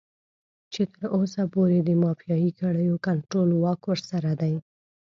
چې تر اوسه پورې د مافيايي کړيو کنټرول واک ورسره دی.